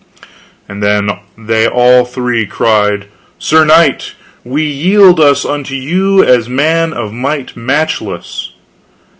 And then they all three cried, Sir Knight, we yield us unto you as man of might matchless.